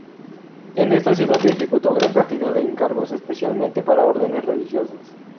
En esta ciudad ejecutó gran cantidad de encargos, especialmente para órdenes religiosas.